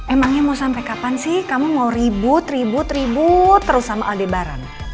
emangnya mau sampai kapan sih kamu mau ribut ribut ribut terus sama aldebaran